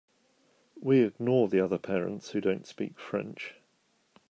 We ignore the other parents who don’t speak French.